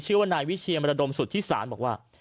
ชื่อว่านายวิเชียรมรดมสุทธิศาลบอกว่า